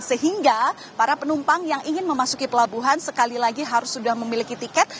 sehingga para penumpang yang ingin memasuki pelabuhan sekali lagi harus sudah memiliki tiket